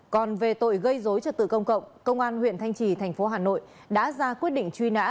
còn về tội gây dối trật tự công cộng công an huyện thanh trì thành phố hà nội đã ra quyết định truy nã